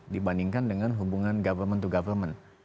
dibandingkan dengan hubungan government to government